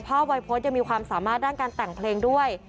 วัยพจน์ยังมีความสามารถด้านการแต่งเพลงด้วย